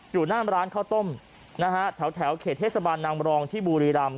อยู่หน้าร้านข้าวต้มนะฮะแถวเขตเทศบาลนางรองที่บุรีรำ